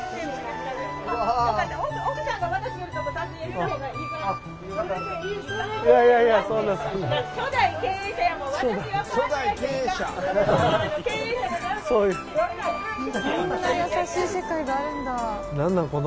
こんな優しい世界があるんだ。